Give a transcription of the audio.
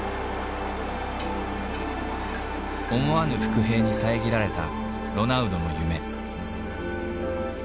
思わぬ伏兵に遮られたロナウドの夢。